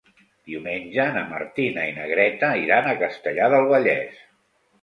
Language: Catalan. Diumenge na Martina i na Greta iran a Castellar del Vallès.